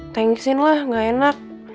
tengsin lah enggak enak